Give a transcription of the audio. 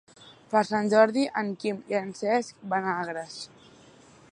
Per Sant Jordi en Quim i en Cesc van a Agres.